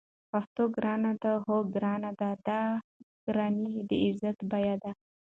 پښتو ګرانه ده؟ هو، ګرانه ده؛ خو دا ګرانی د عزت بیه ده